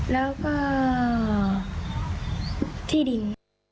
แล้วก็ที่ดิน